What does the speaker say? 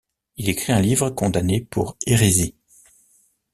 Il écrit un livre condamné pour hérésie.